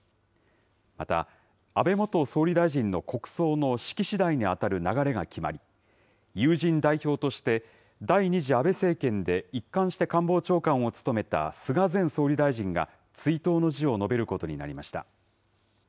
また、安倍元総理大臣の国葬の式次第に当たる流れが決まり、友人代表として、第２次安倍政権で一貫して官房長官を務めた菅前総理大臣が、追悼の辞を述べることになりました。